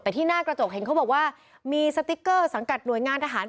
แต่ที่หน้ากระจกเห็นเขาบอกว่ามีสติ๊กเกอร์สังกัดหน่วยงานทหาร